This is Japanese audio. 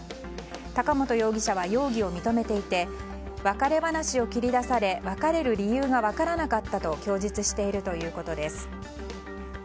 高本容疑者は容疑を認めていて別れ話を切り出され別れる理由が分からなかったと供述しているということです